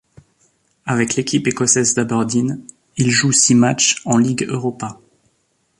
Avec l'équipe écossaise d'Aberdeen, il joue six matchs en Ligue Europa.